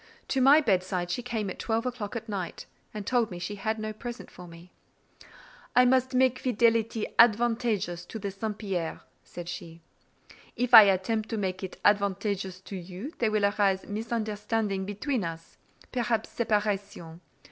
To my bedside she came at twelve o'clock at night, and told me she had no present for me: "I must make fidelity advantageous to the St. Pierre," said she; "if I attempt to make it advantageous to you, there will arise misunderstanding between us—perhaps separation.